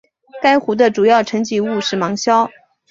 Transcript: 该湖的主要沉积物是芒硝。